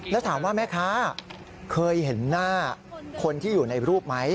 แล้วถามว่าแม่ค้าเคยเห็นหน้าคนที่อยู่ในรูปไหม